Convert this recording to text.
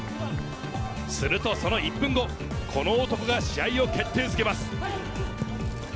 するとその１分後、この男が試合を決定づけます。